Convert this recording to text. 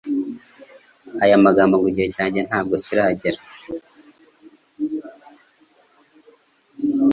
Aya magambo ngo: «Igihe cyanjye ntabwo kiragera»